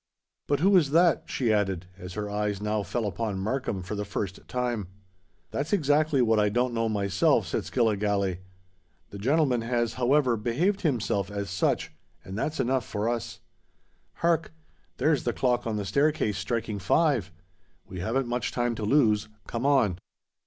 "But who is that?" she added, as her eyes now fell upon Markham for the first time. "That's exactly what I don't know myself," said Skilligalee. "The gentleman has, however, behaved himself as such; and that's enough for us. Hark! there's the clock on the staircase striking five? We haven't much time to lose: come on."